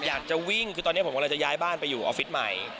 อยากจะวิ่งคือตอนนี้ผมกำลังจะย้ายบ้านไปอยู่ออฟฟิศใหม่